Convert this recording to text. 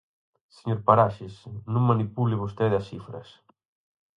Señor Paraxes, non manipule vostede as cifras.